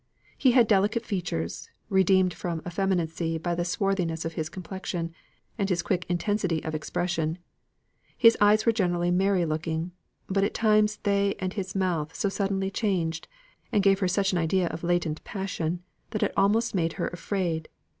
He had delicate features, redeemed from effeminacy by the swarthiness of his complexion, and his quick intensity of expression. His eyes were generally merry looking, but at times they and his mouth so suddenly changed, and gave her such an idea of latent passion, that it almost made her afraid.